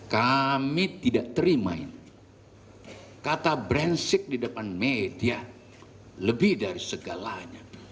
kami tidak terimain kata brensik di depan media lebih dari segalanya